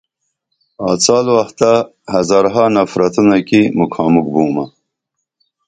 آڅال وختہ ہزارہا نفرتونہ کی مُکھا مُکھ بومہ